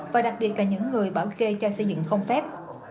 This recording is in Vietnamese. và đặc biệt là những người bảo kê cho xây dựng không phép